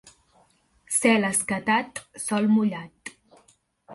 Cel escatat, sol mullat.